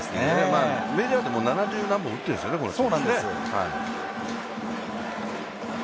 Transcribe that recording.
メジャーでも七十何本打ってるんですよね、この人。